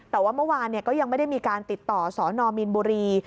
แต่ว่าเมื่อวานก็ยังไม่ได้มีการติดต่อสนมีนบุรี